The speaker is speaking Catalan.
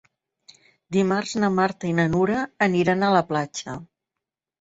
Dimarts na Marta i na Nura aniran a la platja.